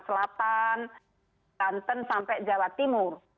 selatan banten sampai jawa timur